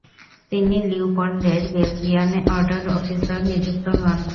তিনি লিওপোল্ডের Belgian order officer নিযুক্ত হন।